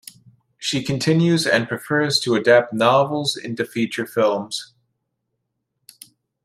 She continues and prefers to adapt novels into feature films.